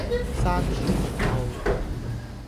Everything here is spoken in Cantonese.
閂書名號